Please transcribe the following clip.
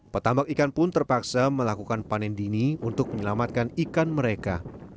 petambak ikan pun terpaksa melakukan panen dini untuk menyelamatkan ikan mereka